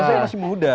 saya masih muda